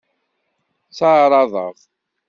Tteɛṛaḍeɣ.